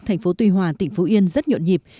thành phố tuy hòa tỉnh phú yên rất nhộn nhịp